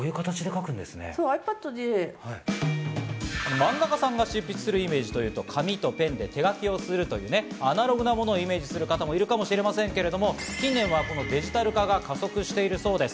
漫画家さんが執筆するイメージでは紙とペンで手描きをするというアナログなものをイメージする方もいらっしゃるかもしれませんが、近年ではデジタル化が加速しているそうです。